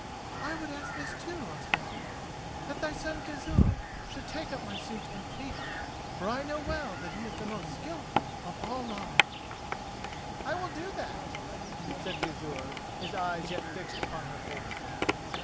"I would ask this, too, Ospakar: that thy son Gizur should take up my suit and plead it; for I know well that he is the most skilful of all lawmen." "I will do that," said Gizur, his eyes yet fixed upon her face.